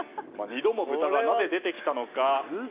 ２度も豚がなぜ出てきたのか。